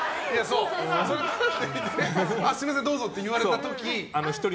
すみません、どうぞって言われた時。